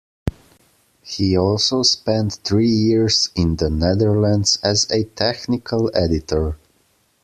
He also spent three years in the Netherlands as a technical editor.